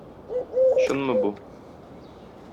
Чынмы бу?